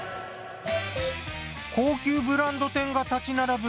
高級ブランド店が立ち並ぶ